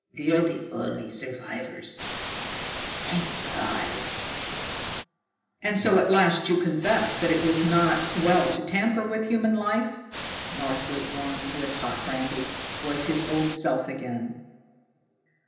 We're the only survivors thank God!" "And so at last you confess that it is not well to tamper with human life?" Northwood, warmed with hot brandy, was his old self again.